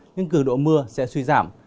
nhưng cường độ mưa sẽ suy giảm